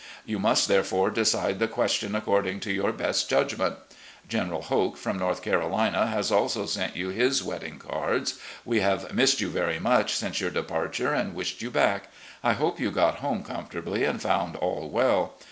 You must therefore decide the question according to your best judgment. General Hoke, from North Carolina, has also sent you his wedding cards. We have missed you very much since your departure, and wished you back. I hope you got home comfortably and found all well.